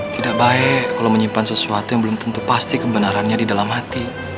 tidak baik kalau menyimpan sesuatu yang belum tentu pasti kebenarannya di dalam hati